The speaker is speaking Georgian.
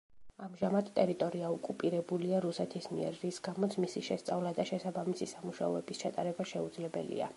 ამჟამად ტერიტორია ოკუპირებულია რუსეთის მიერ, რის გამოც მისი შესწავლა და შესაბამისი სამუშაოების ჩატარება შეუძლებელია.